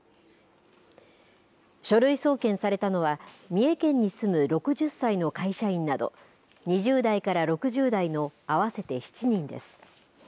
書類送検されたのは三重県に住む６０歳の会社員など２０代から６０代の合わせて７人です。